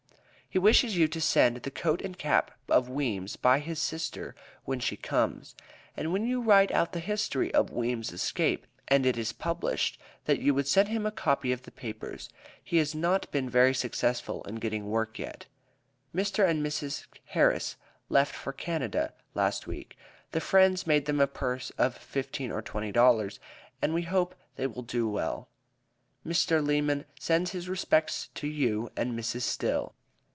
He wishes you to send the coat and cap of Weems by his sister when she comes. And when you write out the history of Weems' escape, and it is published, that you would send him a copy of the papers. He has not been very successful in getting work yet. Mr. and Mrs. Harris left for Canada last week. The friends made them a purse of $15 or $20, and we hope they will do well. Mr. Lemmon sends his respects to you and Mrs. Still.